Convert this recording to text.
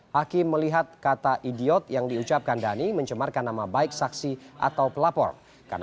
hakim melihat kata idiot yang diucapkan dhani mencemarkan nama baik saksi atau pelapor karena